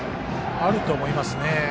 あると思いますね。